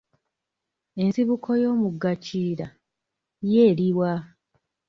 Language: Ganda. Ensibuko y'omugga Kiyira ye eri wa?